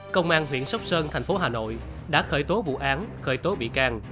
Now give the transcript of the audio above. công an huyện sóc sơn thành phố hà nội đã khởi tố vụ án khởi tố bị can